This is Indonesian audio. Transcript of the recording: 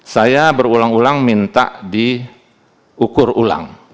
saya berulang ulang minta diukur ulang